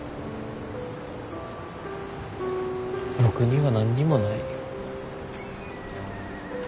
僕には何にもない。